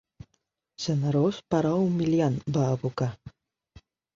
"Generós però humiliant", va evocar.